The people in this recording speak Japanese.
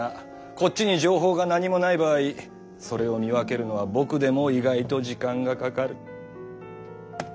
こっちに情報が何もない場合それを見分けるのは僕でも意外と時間がかかる。